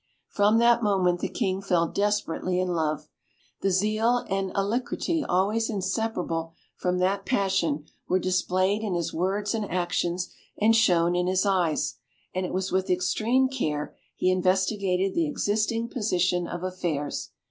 From that moment the King fell desperately in love. The zeal and alacrity always inseparable from that passion were displayed in his words and actions, and shone in his eyes; and it was with extreme care he investigated the existing position of affairs.